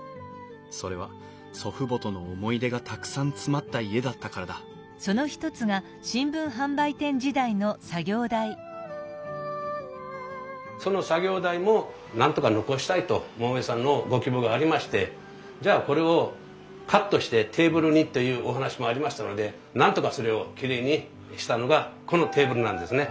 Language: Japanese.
それは祖父母との思い出がたくさん詰まった家だったからだその作業台もなんとか残したいと桃井さんのご希望がありましてじゃあこれをカットしてテーブルにというお話もありましたのでなんとかそれをきれいにしたのがこのテーブルなんですね。